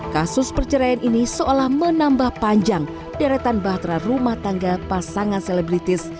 kasus perceraian ini seolah menambah panjang deretan bahtera rumah tangga pasangan selebritis